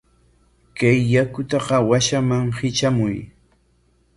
Kay yakuta washaman hitramuy.